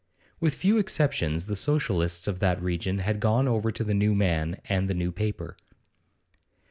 With few exceptions the Socialists of that region had gone over to the new man and the new paper.